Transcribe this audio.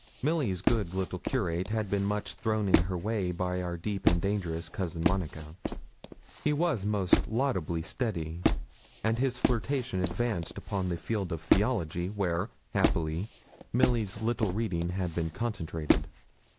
Milly's good little curate had been much thrown in her way by our deep and dangerous cousin Monica. He was most laudably steady; and his flirtation advanced upon the field of theology, where, happily, Milly's little reading had been concentrated.